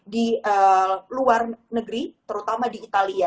di luar negeri terutama di italia